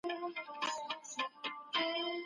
ښه څېړونکی تل اعتدال خوښونکی وي.